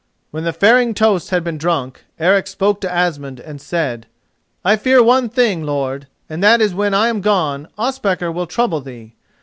When the faring toasts had been drunk, Eric spoke to Asmund and said: "I fear one thing, lord, and it is that when I am gone Ospakar will trouble thee.